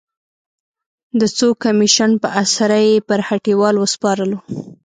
د څو کمېشن په اسره یې پر هټیوال وسپارلو.